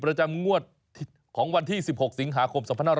ฝ่างงวดของวันที่๑๖สิงหาคม๑๙๖๐